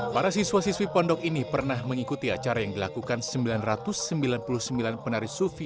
para siswa siswi pondok ini pernah mengikuti acara yang dilakukan sembilan ratus sembilan puluh sembilan penari sufi